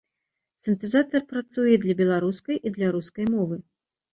Сінтэзатар працуе і для беларускай, і для рускай мовы.